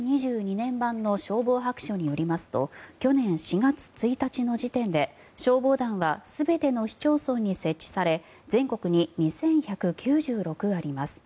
年版の消防白書によりますと去年４月１日の時点で消防団は全ての市町村に設置され全国に２１９６あります。